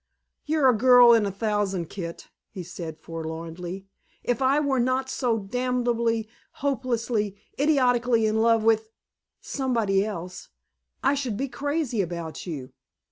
"You're a girl in a thousand, Kit," he said forlornly. "If I were not so damnably, hopelessly, idiotically in love with somebody else, I should be crazy about you."